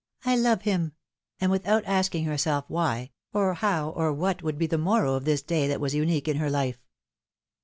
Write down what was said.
I love him and without asking herself why, or how or what would be the morrow of this day that was unique in her life.